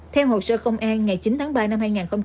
theo hồ sơ công an ngày chín tháng ba năm hai nghìn hai mươi